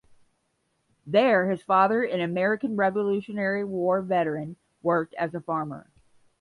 There his father, an American Revolutionary War veteran, worked as a farmer.